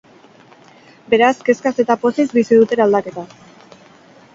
Beraz, kezkaz eta pozez bizi dute eraldaketa.